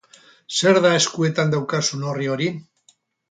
Zer da eskuetan daukazun orri hori?